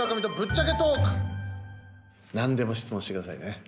何でも質問してくださいね。